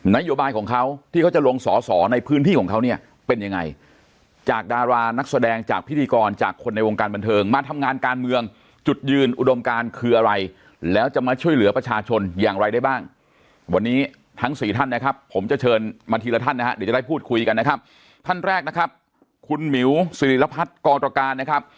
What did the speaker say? โยบายของเขาที่เขาจะลงสอสอในพื้นที่ของเขาเนี่ยเป็นยังไงจากดารานักแสดงจากพิธีกรจากคนในวงการบันเทิงมาทำงานการเมืองจุดยืนอุดมการคืออะไรแล้วจะมาช่วยเหลือประชาชนอย่างไรได้บ้างวันนี้ทั้งสี่ท่านนะครับผมจะเชิญมาทีละท่านนะฮะเดี๋ยวจะได้พูดคุยกันนะครับท่านแรกนะครับคุณหมิวสิริรพัฒน์กรการนะครับ